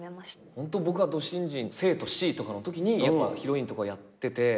ホント僕がド新人生徒Ｃとかのときにヒロインとかをやってて。